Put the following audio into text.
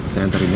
saya antarin ya